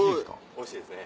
おいしいですね。